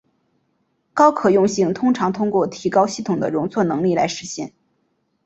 高可用性通常通过提高系统的容错能力来实现。